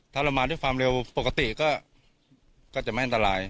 ถ้าเรามาด้วยความเร็วปกติก็จะไม่อันตราย